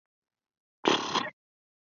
成化七年辛卯科应天府乡试第一名。